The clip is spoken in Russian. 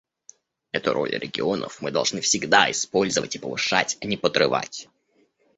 Эту роль регионов мы должны всегда использовать и повышать, а не подрывать.